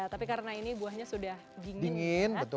tapi karena ini buahnya sudah dingin